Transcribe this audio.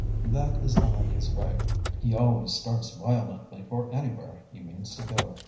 That is Amedee's way; he always starts violently for anywhere he means to go.